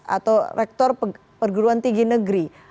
atau rektor perguruan tinggi negeri